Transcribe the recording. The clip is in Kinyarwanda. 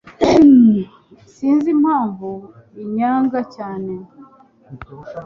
Sinzi impamvu anyanga cyane.